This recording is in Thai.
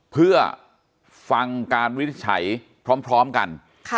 เพื่อฟังการวินิจฉัยพร้อมกัน